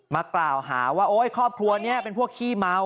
มากล่าวหาว่าโอ๊ยครอบครัวนี้เป็นพวกขี้เมา